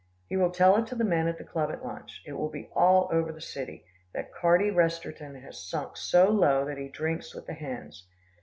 He will tell it to the men at the club at lunch. It will be all over the city, that Carty Resterton has sunk so low, that he drinks with the hens.